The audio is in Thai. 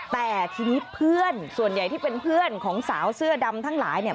แต่ทีนี้เพื่อนส่วนใหญ่ที่เป็นเพื่อนของสาวเสื้อดำทั้งหลายเนี่ย